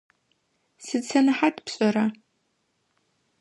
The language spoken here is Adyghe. Сыд сэнэхьат пшӏэра?